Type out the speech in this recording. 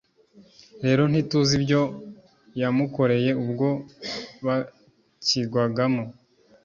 rero ntituzi ibyo yamukoreye ubwo bakigwagamo